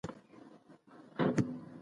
سړي سر ګټه تر ملي عاید ښه معیار دی.